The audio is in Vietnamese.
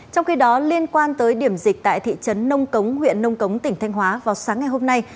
trong khi đó liên quan tới điểm dịch tại thị trấn nông cống huyện nông cống tỉnh thanh hóa vào sáng ngày hôm nay